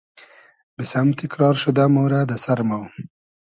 بیسئم تیکرار شودۂ مۉرۂ دۂ سئر مۉ